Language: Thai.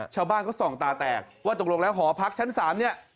ชาวบ้านก็ส่องตาแตกว่าตกลงแล้วหอพักชั้น๓เนี่ย